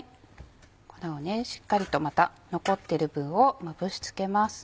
粉をしっかりとまた残ってる分をまぶし付けます。